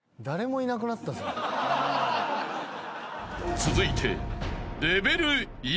［続いて］